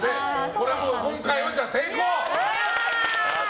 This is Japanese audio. これは、今回は成功！